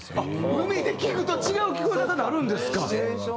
海で聴くと違う聴こえ方になるんですか！